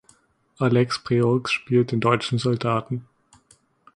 Alex Breaux spielt den deutschen Soldaten.